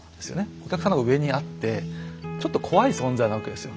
お客さんの方が上にあってちょっと怖い存在なわけですよ